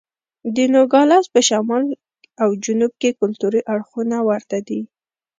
د نوګالس په شمال او جنوب کې کلتوري اړخونه ورته دي.